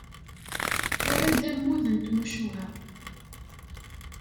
Tura-d ammud n tmucuha.